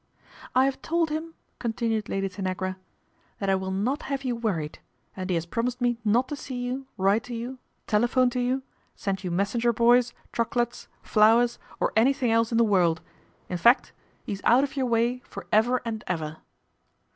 " I have told him," continued Lady Tanagra, " that I will not have you worried, and he has promised me not to see you, write to you, tele phone to you, send you messenger boys, choco lates, flowers or anything else in the world, in fact he's out of your way for ever and ever."